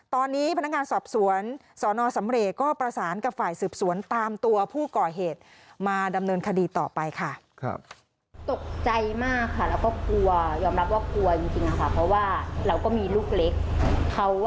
ตอนนี้พนักงานสอบสวนสนสำเรย์ก็ประสานกับฝ่ายสืบสวนตามตัวผู้ก่อเหตุมาดำเนินคดีต่อไปค่ะ